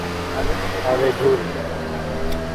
আরে, ধুর।